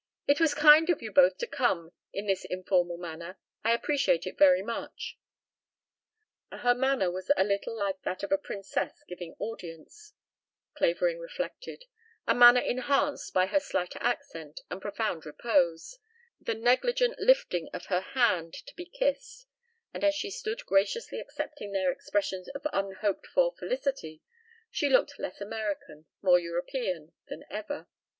It was kind of you both to come in this informal manner. I appreciate it very much." Her manner was a little like that of a princess giving audience, Clavering reflected, a manner enhanced by her slight accent and profound repose, the negligent lifting of her hand to be kissed; and as she stood graciously accepting their expressions of unhoped for felicity she looked less American, more European, than ever.